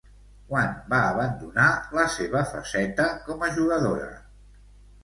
Quan va abandonar la seva faceta com a jugadora?